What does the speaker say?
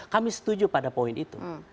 kami setuju pada poin itu